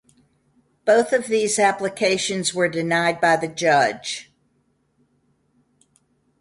Both of these applications were denied by the judge.